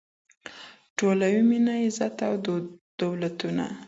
ټولوي مینه عزت او دولتونه